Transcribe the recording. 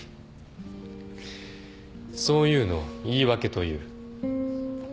そういうのを言い訳という。